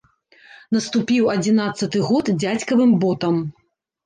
Наступіў адзінаццаты год дзядзькавым ботам.